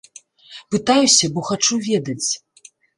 Пытаюся, бо хачу ведаць.